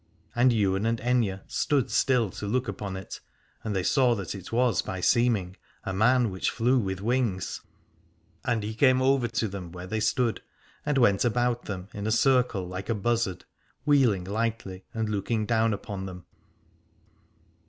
And Ywain and Aithne stood still to look upon it, and they saw that it was by seeming a man which flew with wings : and he came over them where they stood and went about them in a circle like a buzzard, wheeling lightly and looking down upon them.